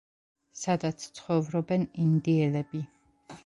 სადაც ცხოვრობენ ინდიელები.